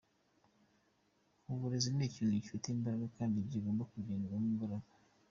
Uburezi ni ikintu gifite imbaraga kandi kigomba kongerwamo imbaraga.